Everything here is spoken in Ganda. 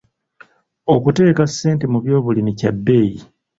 Okuteeka ssente mu byobulimi kya bbeeyi.